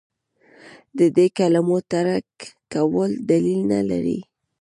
د دې کلمو ترک کول دلیل نه لري.